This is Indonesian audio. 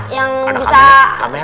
yang bisa sleepy di depan